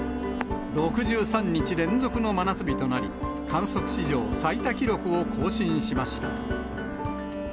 ６３日連続の真夏日となり、観測史上最多記録を更新しました。